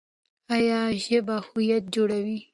ایا ژبه هویت جوړوي؟